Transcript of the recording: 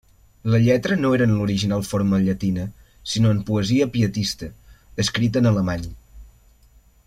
La lletra no era en l'original forma llatina, sinó en poesia pietista, escrit en alemany.